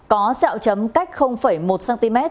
có xeo chấm cách một cm